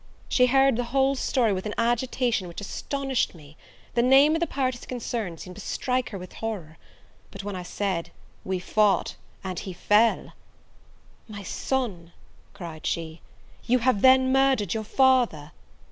She heard my whole story with an agitation which astonished me: the name of the parties concerned seemed to strike her with horror: but when I said, We fought, and he fell; "My son," cried she, "you have then murdered your father!"